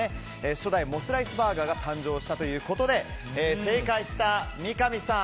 初代モスライスバーガーが誕生したということで正解した三上さん